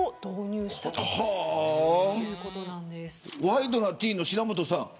ワイドナティーンの白本さん